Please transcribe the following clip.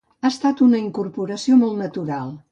Ha estat una incorporació molt natural.